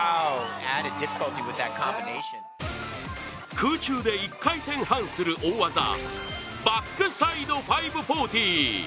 空中で１回転半する大技バックサイド５４０。